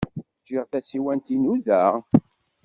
Ǧǧiɣ tasiwant-inu da?